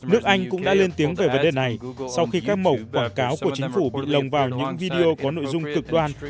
nước anh cũng đã lên tiếng về vấn đề này sau khi các mẫu quảng cáo của chính phủ bị lồng vào những video có nội dung cực đoan